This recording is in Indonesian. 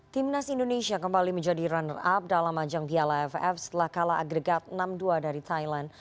timnas indonesia kembali menjadi runner up dalam ajang piala ff setelah kalah agregat enam dua dari thailand